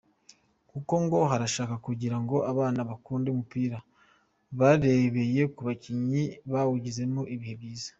Kuko ngo barashaka kugira ngo abana bakunde umupira barebeye ku bakinnyi bawugizemo ibihe byiza”.